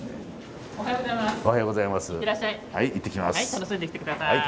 楽しんできて下さい。